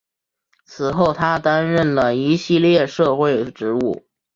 此后他担任了一系列社会职务。